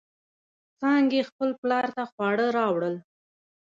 څانگې خپل پلار ته خواړه راوړل.